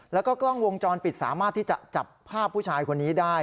แล้วก็กล้องวงจรปิดสามารถที่จะจับภาพผู้ชายคนนี้ได้